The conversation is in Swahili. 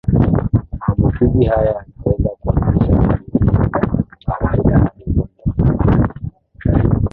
Maambukizi haya yanaweza kuanzia baridi ya kawaida hadi ugonjwa mbaya zaidi